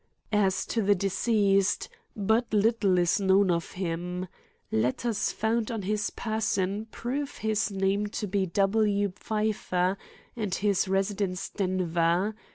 "As to the deceased, but little is known of him. Letters found on his person prove his name to be W. Pfeiffer, and his residence Denver.